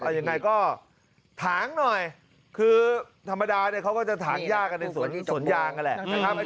แล้วยังไงก็ถางหน่อยคือธรรมดานี่เขาก็จะทานยากันในสวนยางอะล่ะ